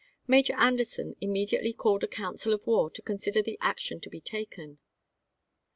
Major Anderson immediately called a council of war to consider the action to be taken.